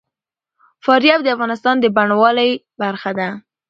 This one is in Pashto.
فاریاب د افغانستان د بڼوالۍ برخه ده.